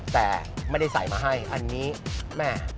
แต่ไม่ได้ใส่มาให้อันนี้แม่